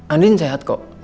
andin sehat kok